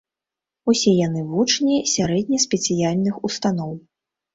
Усе яны вучні сярэдне-спецыяльных устаноў.